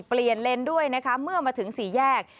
เปลี่ยนเลนด้วยนะคะเมื่อมาถึงสี่แยก